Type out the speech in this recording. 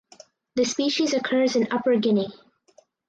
This species occurs in upper Guinea.